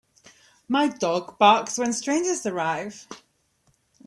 My dog barks when strangers arrive.